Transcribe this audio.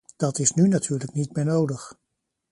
Dat is nu natuurlijk niet meer nodig.